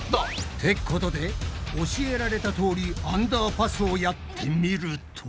ってことで教えられたとおりアンダーパスをやってみると。